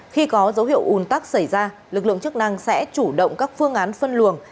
khi có dấu hiệu un tắc xảy ra lực lượng chức năng sẽ chủ động các phương án phân luồng